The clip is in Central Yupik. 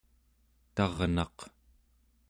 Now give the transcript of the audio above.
tarnaq²